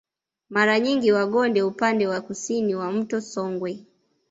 Mara nyingi Wagonde upande wa kusini wa mto Songwe